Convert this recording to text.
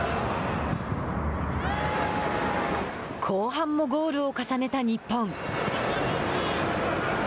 後半もゴールを重ねた日本。